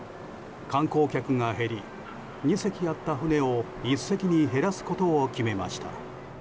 観光客が減り２隻あった船を１隻に減らすことを決めました。